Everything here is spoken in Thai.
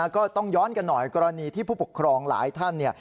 ก็ต้องย้อนกันหน่อยกรณีที่ผู้ปกครองหลายท่านเนี่ย